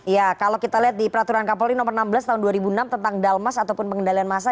ya kalau kita lihat di peraturan kapolri nomor enam belas tahun dua ribu enam tentang dalmas ataupun pengendalian massa